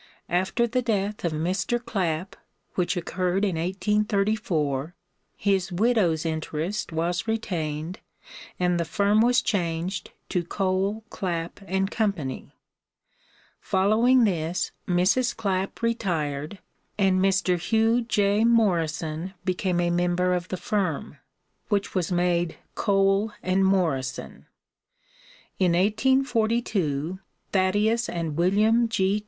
After the death of Mr. Clap, which occurred in 1834, his widow's interest was retained and the firm was changed to Cole, Clap & Co.; following this, Mrs. Clap retired and Mr. Hugh J. Morrison became a member of the firm, which was made Cole & Morrison. In 1842 Thaddeus and William G.